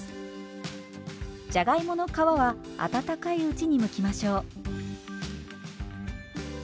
じゃがいもの皮は温かいうちにむきましょう。